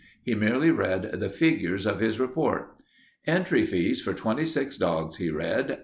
He merely read the figures of his report. "Entry fees for 26 dogs," he read, "$13.